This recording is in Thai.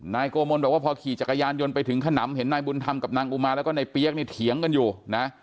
นายโกมลบอกว่าพอขี่จักรยานยนต์ไปถึงขนำเห็นนายบุญธรรมกับนางอุมาแล้วก็นายเปี๊ยกเนี่ยเถียงกันอยู่นะ